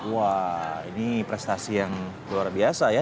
wah ini prestasi yang luar biasa ya